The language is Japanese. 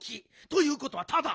ということはタダ。